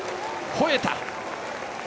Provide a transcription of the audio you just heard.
ほえた！